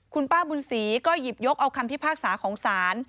คุณป้าบุญศรีก็หยิบยกเอาคำพิพากษาของศาล